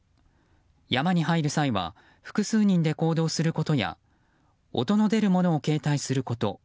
山に入る際は複数人で行動することや音の出るものを携帯すること